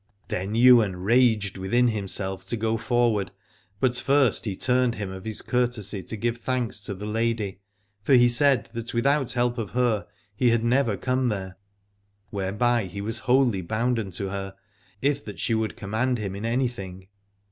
56 Aladore Then Ywain raged within himself to go forward, but first he turned him of his courtesy to give thanks to the lady, for he said that without help of her he had never come there : whereby he was wholly bounden to her, if that she would command him in anything.